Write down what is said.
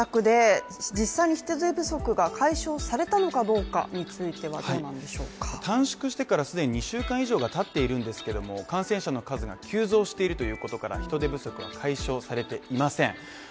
こうした政策で、実際に人手不足が解消されたのかどうかについてはどうなんでしょうか短縮してから既に２週間以上が経っているんですけども、感染者の数が急増しているということから人手不足は解消されていません。